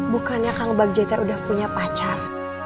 bukannya kang bagja udah punya pacar